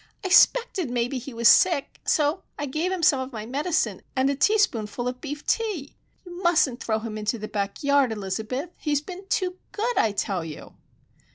"I 'spected maybe he was sick; so I gave him some of my medicine and a teaspoonful of beef tea! You mustn't throw him into the back yard, Elizabeth! He's been too good, I tell you!"